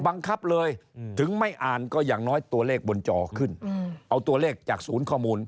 บังคับเลยถึงไม่อ่านก็อย่างน้อยตัวเลขบนจอขึ้นเอาตัวเลขจากศูนย์ข้อมูล